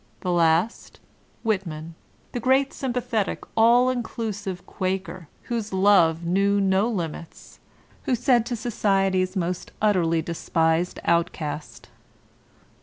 The last, Whitman, the great sympathetic, all inclusive Quaker, whose tove knew no limits, who to Society's most utterly despised outcast.